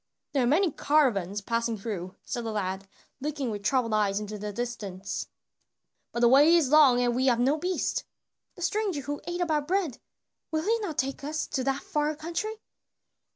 "There are many caravans passing through," said the lad, looking with troubled eyes into the distance, "but the way is long and we have no beast." "The stranger who ate of our bread, will he not take us to that far country?"